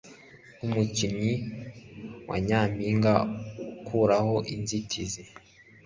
Nkumukinnyi wa nyampinga ukuraho inzitizi